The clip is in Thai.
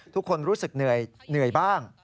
ทุกคนรู้สึกเหนื่อยบ้าง